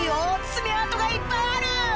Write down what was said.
爪痕がいっぱいある！